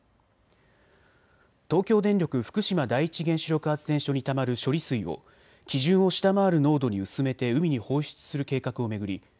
東京電力福島第一原子力発電所にたまる処理水を基準を下回る濃度に薄めて海に放出する計画を巡り